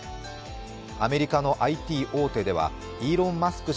アメリカのＩＴ大手ではイーロン・マスク